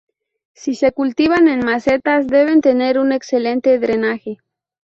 Si se cultivan en macetas deben tener un excelente drenaje.